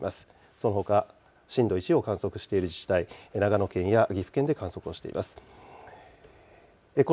そのほか、震度１を観測している自治体、長野県や岐阜県で観測をしています。